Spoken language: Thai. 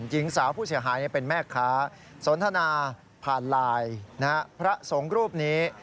หญิงสาวผู้เสียหายเป็นแม่ค้าสนทนาผ่านไลน์พระสงฆ์รูปนี้